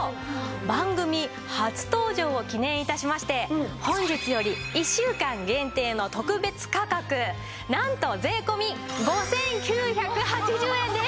番組初登場を記念致しまして本日より１週間限定の特別価格なんと税込５９８０円です！